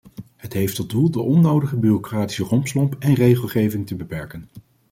Het heeft tot doel de onnodige bureaucratische rompslomp en regelgeving te beperken.